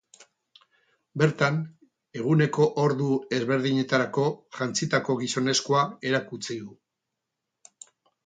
Bertan, eguneko ordu ezberdinetarako jantzitako gizonezkoa erakutsi du.